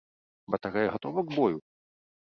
Батарэя гатова к бою?